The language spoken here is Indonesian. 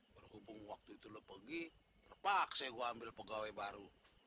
berhubung waktu itu lo pergi terpaksa gue ambil pegawai baru